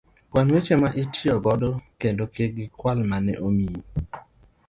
kwan weche ma itiyo godo kendo kik gikal mane omiyi.